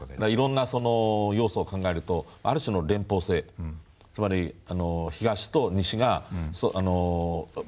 いろんな要素を考えるとある種の連邦制つまり東と西が。